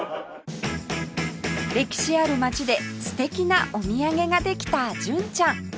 歴史ある町で素敵なお土産ができた純ちゃん